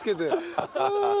ハハハハ。